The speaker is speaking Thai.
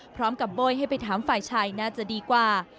โบ้ยให้ไปถามฝ่ายชายน่าจะดีกว่า